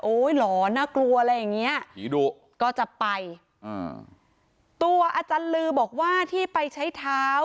หลอนน่ากลัวอะไรอย่างเงี้ยผีดุก็จะไปอ่าตัวอาจารย์ลือบอกว่าที่ไปใช้เท้า